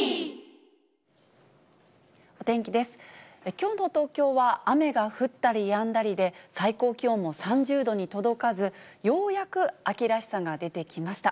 きょうの東京は雨が降ったりやんだりで、最高気温も３０度に届かず、ようやく秋らしさが出てきました。